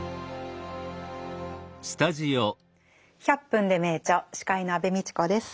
「１００分ｄｅ名著」司会の安部みちこです。